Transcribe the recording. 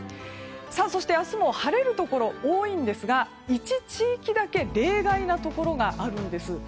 そして、明日も晴れるところが多いんですが１地域だけ例外なところがあるんです。